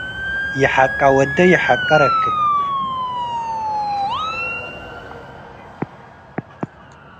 ይሐቀ ወዴ ይሐቀ ረክብ።